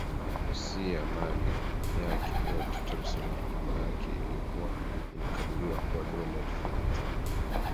usia mali yake yote Tolson gharama yake ilikuwa inakadiriwa kuwa dola elfu mia tano